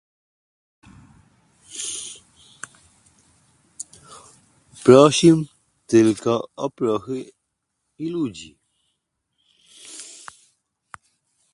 "Prosim tylko o prochy i ludzi."